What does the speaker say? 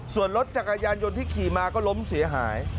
ส่วนรถจักรยานยนต์ที่ขี่มาก็ล้มเสียหาย